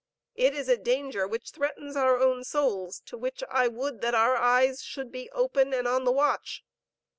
It is a danger, which threatens our own souls, to which I would that our eyes should be open and on the watch.